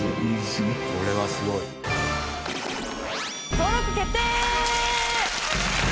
登録決定！